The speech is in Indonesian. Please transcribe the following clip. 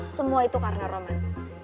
semua itu karena roman